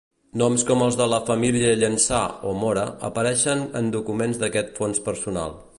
Noms com els de la família Llançà o Mora apareixen en documents d'aquest Fons personal.